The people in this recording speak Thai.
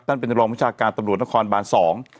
นั่นเป็นจังหลองมุชาติการตำรวจนครบานสอง